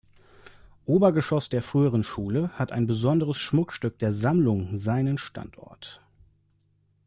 Obergeschoss der früheren Schule, hat ein besonderes Schmuckstück der Sammlung seinen Standort.